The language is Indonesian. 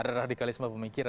ada radikalisme pemikiran